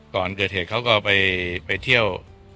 ก่อนเกิดเหตุเขาก็ไปเที่ยว